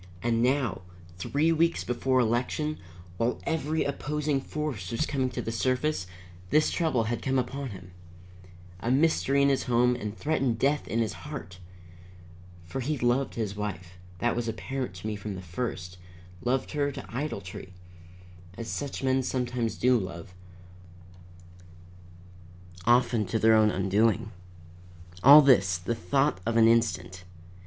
And now, three weeks before election, while every opposing force was coming to the surface, this trouble had come upon him. A mystery in his home and threatened death in his heart! For he loved his wife that was apparent to me from the first; loved her to idolatry, as such men sometimes do love, often to their own undoing. All this, the thought of an instant.